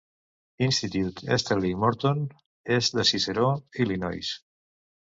Institut Sterling Morton est de Cicero, Illinois.